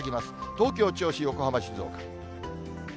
東京、銚子、横浜、静岡。